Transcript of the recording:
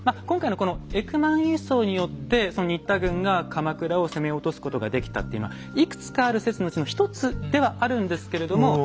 今回のこのエクマン輸送によって新田軍が鎌倉を攻め落とすことができたっていうのはいくつかある説のうちの一つではあるんですけれども。